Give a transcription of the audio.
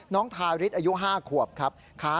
น้องทาริสอายุ๕ขวบครับ